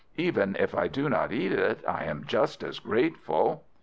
Even if I do not eat it I am just as grateful."